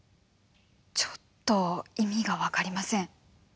ちょっと意味が分かりません。